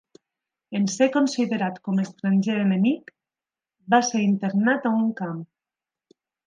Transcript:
En ser considerat com estranger enemic, va ser internat a un camp.